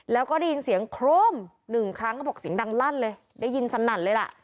แล้วก็ได้ยินเสียงโครมหนึ่งครั้งเขาบอกเสียงดังลั่นเลยได้ยินสนั่นเลยล่ะ